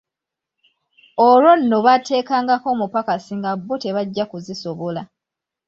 Olwo nno baateekangako omupakasi nga bo tebajja kuzisobola.